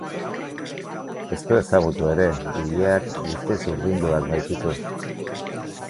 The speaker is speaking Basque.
Ez du ezagutu ere, ileak guziz urdinduak baititu.